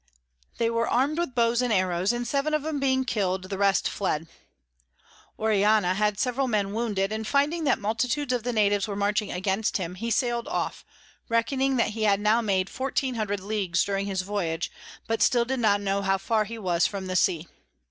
They were arm'd with Bows and Arrows; and seven of 'em being kill'd, the rest fled. Orellana had several Men wounded; and finding that multitudes of the Natives were marching against him, he sail'd off, reckoning that he had now made 1400 Leagues during his Voyage, but still did not know how far he was from the Sea.